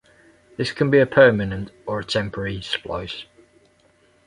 This can be a permanent or temporary splice.